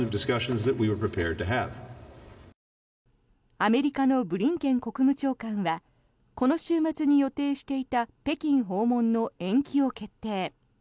アメリカのブリンケン国務長官はこの週末に予定していた北京訪問の延期を決定。